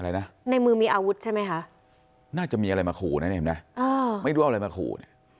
อะไรนะในมือมีอาวุธใช่ไหมคะน่าจะมีอะไรมาขู่นะไม่รู้เอาอะไรมาขู่